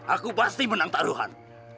aku pasti menang taruhan